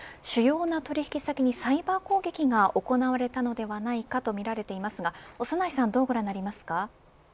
主要な取引先にサイバー攻撃が行われたのではないかとみられていますが長内さんはどうご覧になりますか。